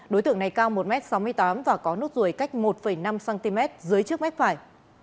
đối tượng này cao một m sáu mươi tám và có nốt ruồi cách một năm cm dưới trước mép phải